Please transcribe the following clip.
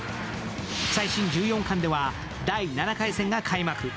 最新１４巻では第７回戦が開幕。